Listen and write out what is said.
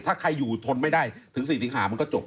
ถ้าใครอยู่ทนไม่ได้ถึง๔สิงหามันก็จบ